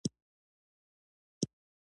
ماته مه را ښیه چې کب څنګه وخورم.